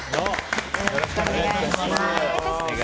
よろしくお願いします。